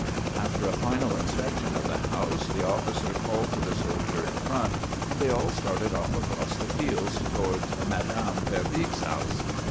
After a final inspection of the house the officer called to the soldier in front and they all started off across the fields toward Madame Verbeeck's house.